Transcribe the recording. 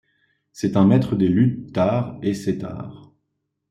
C'est un maître des luths târ et setâr.